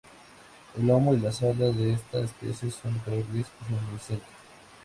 El lomo y las alas de esta especie son de color gris ceniciento.